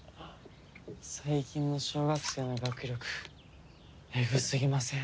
最近の小学生の学力エグすぎません？